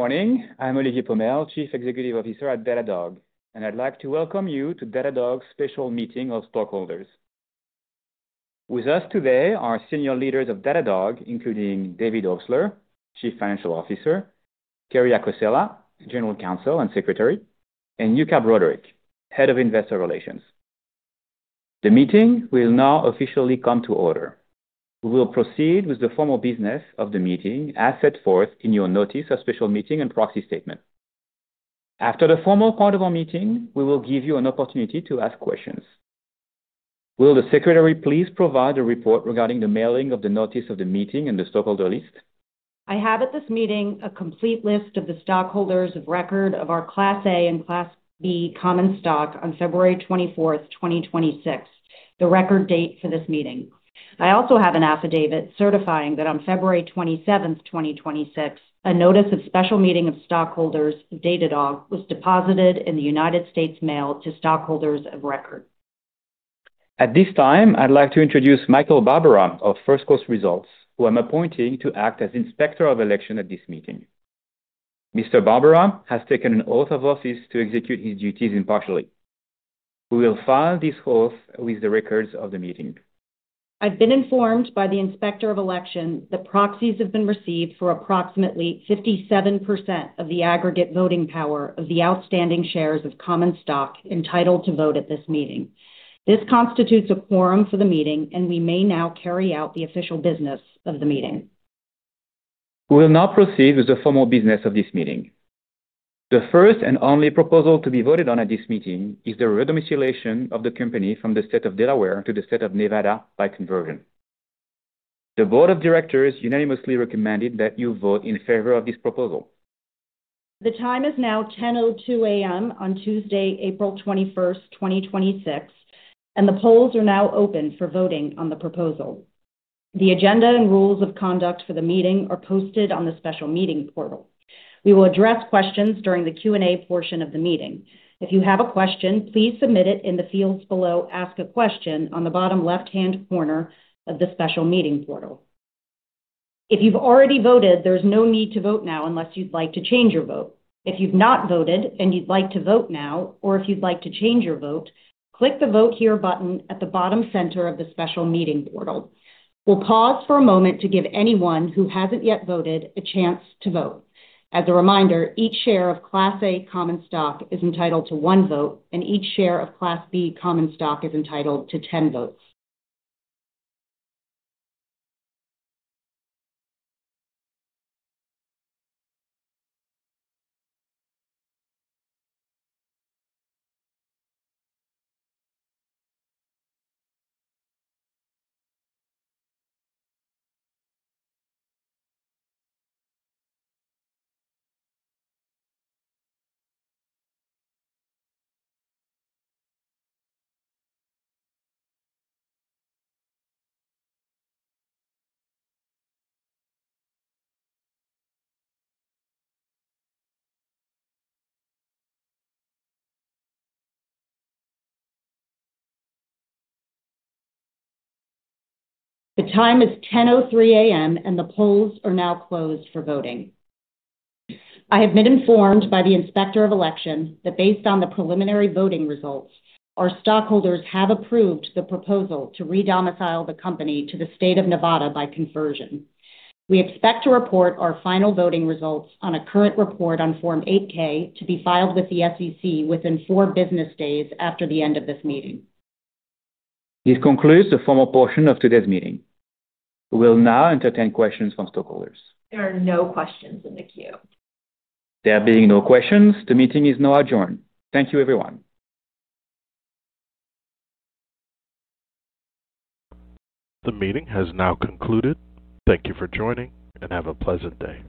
Morning. I'm Olivier Pomel, Chief Executive Officer at Datadog, and I'd like to welcome you to Datadog's special meeting of stockholders. With us today are senior leaders of Datadog, including David Obstler, Chief Financial Officer, Kerry Acocella, General Counsel and Secretary, and Yuka Broderick, Head of Investor Relations. The meeting will now officially come to order. We will proceed with the formal business of the meeting as set forth in your notice of special meeting and proxy statement. After the formal part of our meeting, we will give you an opportunity to ask questions. Will the secretary please provide a report regarding the mailing of the notice of the meeting and the stockholder list? I have at this meeting a complete list of the stockholders of record of our Class A and Class B common stock on February 24th, 2026, the record date for this meeting. I also have an affidavit certifying that on February 27th, 2026, a notice of special meeting of stockholders of Datadog was deposited in the United States Mail to stockholders of record. At this time, I'd like to introduce Michael Barbaro of First Coast Results, who I'm appointing to act as Inspector of Election at this meeting. Mr. Barbaro has taken an oath of office to execute his duties impartially. We will file this oath with the records of the meeting. I've been informed by the Inspector of Election that proxies have been received for approximately 57% of the aggregate voting power of the outstanding shares of common stock entitled to vote at this meeting. This constitutes a quorum for the meeting, and we may now carry out the official business of the meeting. We will now proceed with the formal business of this meeting. The first and only proposal to be voted on at this meeting is the re-domiciliation of the company from the state of Delaware to the state of Nevada by conversion. The board of directors unanimously recommended that you vote in favor of this proposal. The time is now 10:02 A.M. on Tuesday, April 21st, 2026, and the polls are now open for voting on the proposal. The agenda and rules of conduct for the meeting are posted on the Citrix special meetings portal. We will address questions during the Q&A portion of the meeting. If you have a question, please submit it in the fields below, Ask a Question, on the bottom left-hand corner of the special meeting portal. If you've already voted, there's no need to vote now unless you'd like to change your vote. If you've not voted and you'd like to vote now, or if you'd like to change your vote, click the Vote Here button at the bottom center of the special meeting portal. We'll pause for a moment to give anyone who hasn't yet voted a chance to vote. As a reminder, each share of Class A common stock is entitled to one vote, and each share of Class B common stock is entitled to 10 votes. The time is 10:03 A.M. and the polls are now closed for voting. I have been informed by the Inspector of Election that based on the preliminary voting results, our stockholders have approved the proposal to re-domicile the company to the State of Nevada by conversion. We expect to report our final voting results on a current report on Form 8-K to be filed with the SEC within four business days after the end of this meeting. This concludes the formal portion of today's meeting. We will now entertain questions from stockholders. There are no questions in the queue. There being no questions, the meeting is now adjourned. Thank you, everyone. The meeting has now concluded. Thank you for joining, and have a pleasant day.